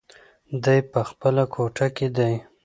دی په خپله کوټه کې دی.